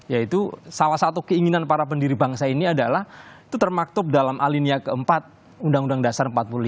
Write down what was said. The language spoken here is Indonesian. yaitu salah satu keinginan para pendiri bangsa ini adalah itu termaktub dalam alinia keempat undang undang dasar empat puluh lima